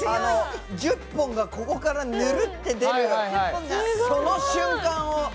１０本がここからヌルって出るその瞬間を。